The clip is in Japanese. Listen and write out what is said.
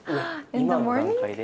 今の段階で？